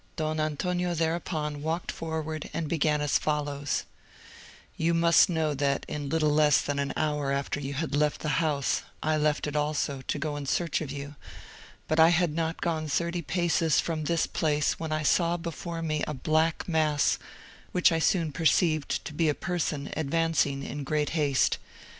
Don Antonio thereupon walked forward, and began as follows:—"You must know that in little less than an hour after you had left the house, I left it also, to go in search of you, but I had not gone thirty paces from this place when I saw before me a black mass, which I soon perceived to be a person advancing in great haste.